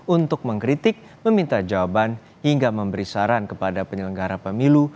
untuk mengkritik meminta jawaban hingga memberi saran kepada penyelenggara pemilu